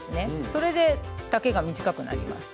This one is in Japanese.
それで丈が短くなります。